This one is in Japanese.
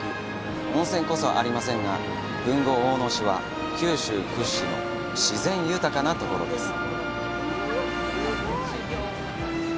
温泉こそありませんが豊後大野市は九州屈指の自然豊かなところです。